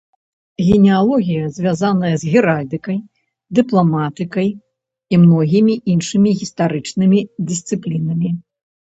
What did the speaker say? Генеалогія звязаная з геральдыкай, дыпламатыкай і многімі іншымі гістарычнымі дысцыплінамі.